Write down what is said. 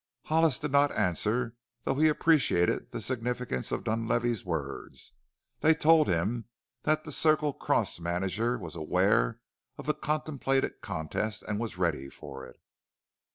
Hollis did not answer, though he appreciated the significance of Dunlavey's words; they told him that the Circle Cross manager was aware of the contemplated contest and was ready for it.